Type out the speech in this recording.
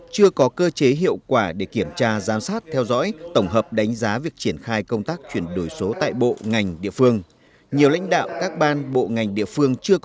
chưa có cơ chế hiệu quả để kiểm tra giám sát theo dõi tổng hợp đánh giá việc triển khai công tác chuyển đổi số tại bộ ngành địa phương